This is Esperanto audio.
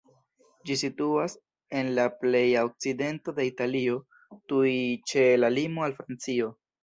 Ĝi situas en la pleja okcidento de Italio, tuj ĉe la limo al Francio.